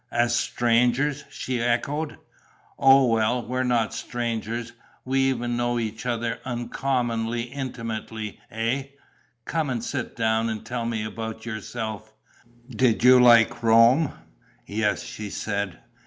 "As strangers?" she echoed. "Oh, well, we're not strangers: we even know each other uncommonly intimately, eh?... Come and sit down and tell me about yourself. Did you like Rome?" "Yes," she said.